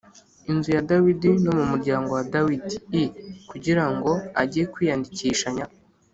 nzu ya Dawidi no mu muryango wa Dawidi i kugira ngo ajye kwiyandikishanya